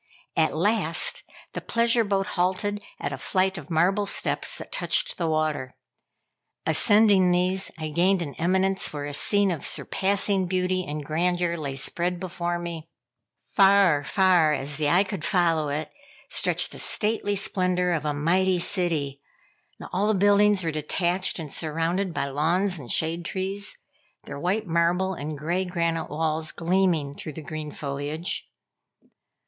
At last the pleasure boat halted at a flight of marble steps that touched the water. Ascending these, I gained an eminence where a scene of surpassing beauty and grandeur lay spread before me. Far, far as the eye could follow it, stretched the stately splendor of a mighty city. But all the buildings were detached and surrounded by lawns and shade trees, their white marble and gray granite walls gleaming through the green foliage.